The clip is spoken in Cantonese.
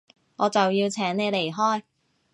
我就要請你離開